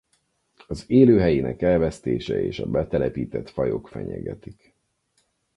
Az élőhelyének elvesztése és a betelepített fajok fenyegetik.